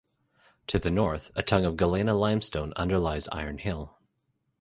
To the north, a tongue of Galena Limestone underlies Iron Hill.